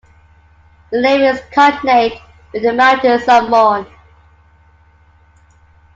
The name is cognate with the Mountains of Mourne.